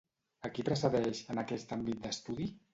A qui precedeix, en aquest àmbit d'estudi?